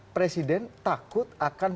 presiden takut akan